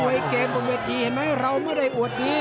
มวยเกมต์บนเวทีเราไม่ได้อวดนี้